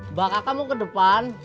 mbak kakak mau ke depan